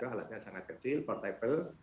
alatnya sangat kecil portable